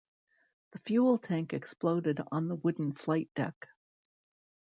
The fuel tank exploded on the wooden flight deck.